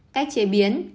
cách chế biến